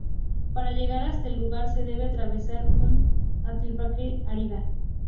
Para llegar hasta el lugar se debe atravesar una altiplanicie árida.